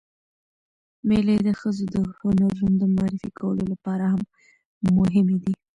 مېلې د ښځو د هنرونو د معرفي کولو له پاره هم مهمې دي.